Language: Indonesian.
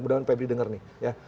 mudah mudahan pebri dengar nih